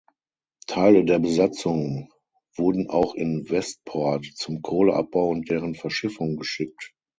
Teile der Besatzung wurden auch in Westport zum Kohleabbau und deren Verschiffung geschickt.